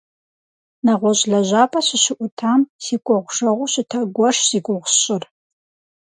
Нэгъуэщӏ лэжьапӏэ сыщыӏутам си кӏуэгъужэгъуу щыта гуэрщ зи гугъу сщӏыр.